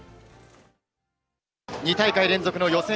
２大会連続の予選